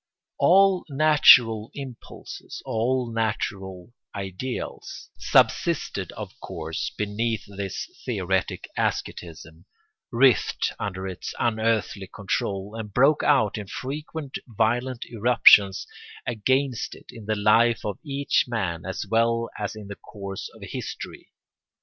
All natural impulses, all natural ideals, subsisted of course beneath this theoretic asceticism, writhed under its unearthly control, and broke out in frequent violent irruptions against it in the life of each man as well as in the course of history.